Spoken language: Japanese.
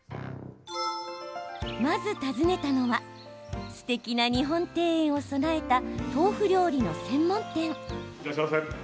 まず訪ねたのはすてきな日本庭園を備えた豆腐料理の専門店。